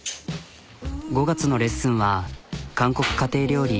５月のレッスンは韓国家庭料理。